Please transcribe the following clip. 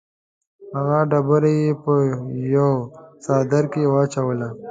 هغه ډبره یې په یوه څادر کې واچوله.